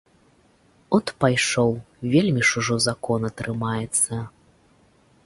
От пайшоў, вельмі ж ужо закона трымаецца.